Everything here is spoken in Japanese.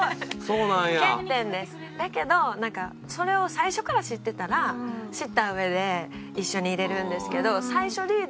だけどなんかそれを最初から知ってたら知った上で一緒にいられるんですけど。